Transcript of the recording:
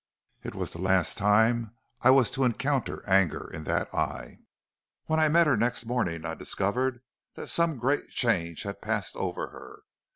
"It was the last time I was to encounter anger in that eye. When I met her next morning I discovered that some great change had passed over her.